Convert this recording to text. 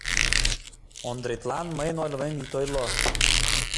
Ондретлан мыйын ойлымем ит ойло.